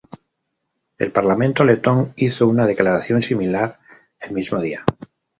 El parlamento letón hizo una declaración similar el mismo día.